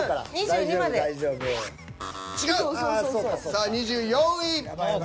さあ２４位。